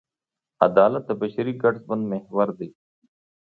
عدالت د بشري ګډ ژوند محور دی.